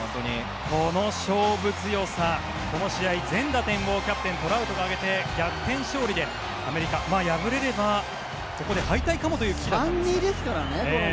この勝負強さこの試合、全打点をキャプテン、トラウトが挙げて逆転勝利でアメリカは敗れればここで敗退かもという危機だったんですが。